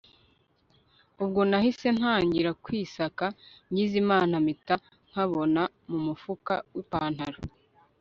ubwo nahise ntangira kwisaka , ngize imana mpita nkabona mumufuka wipantaro